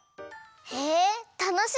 へえたのしみ！